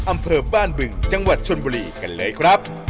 อำเภอบ้านบึงจังหวัดชนบุรีกันเลยครับ